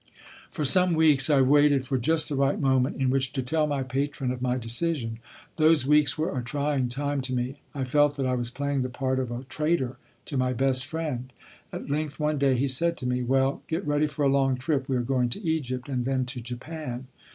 For some weeks I waited for just the right moment in which to tell my patron of my decision. Those weeks were a trying time to me. I felt that I was playing the part of a traitor to my best friend. At length, one day he said to me: "Well, get ready for a long trip; we are going to Egypt, and then to Japan."